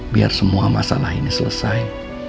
biar semua masalah ini selesai